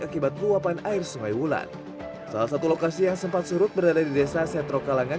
akibat luapan air sungai wulan salah satu lokasi yang sempat surut berada di desa setro kalangan